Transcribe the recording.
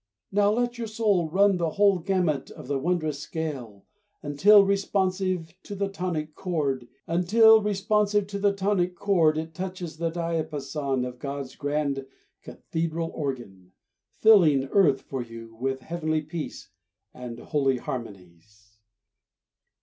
Now let your soul run the whole gamut of the wondrous scale Until, responsive to the tonic chord, It touches the diapason of God's grand cathedral organ, Filling earth for you with heavenly peace And holy harmonies.